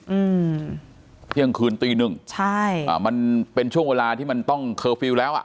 อืมเที่ยงคืนตีหนึ่งใช่อ่ามันเป็นช่วงเวลาที่มันต้องเคอร์ฟิลล์แล้วอ่ะ